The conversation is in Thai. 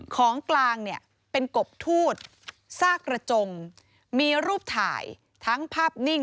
ของกลางเนี่ยเป็นกบทูตซากกระจงมีรูปถ่ายทั้งภาพนิ่ง